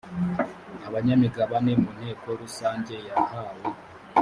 abanyamigabane mu nteko rusange yahawe